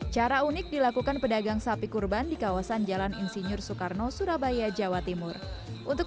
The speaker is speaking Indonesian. cara unik dilakukan pedagang sapi kurban di kawasan jalan insinyur soekarno surabaya jawa timur untuk